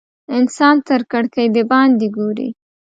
انسان تر کړکۍ د باندې ګوري.